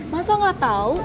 masa gak tau